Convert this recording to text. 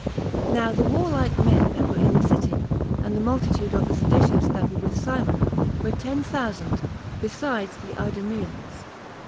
Now the warlike men that were in the city, and the multitude of the seditious that were with Simon, were ten thousand, besides the Idumeans.